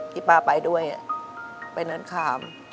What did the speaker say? ป้าไปด้วยไปเนินขาม